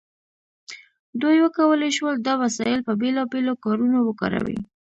دوی وکولی شول دا وسایل په بیلابیلو کارونو وکاروي.